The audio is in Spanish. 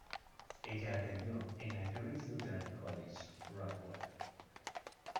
Ella atendió en la Grace Lutheran College, Rothwell.